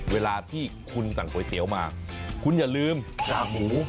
เวลาที่คุณสั่งก๋วยเตี๋ยวมาคุณอย่าลืมกากหมู